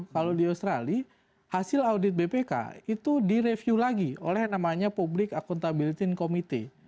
kalau di australia hasil audit bpk itu direview lagi oleh namanya public accountability committee